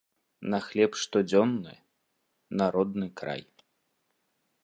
На хлеб штодзённы, на родны край.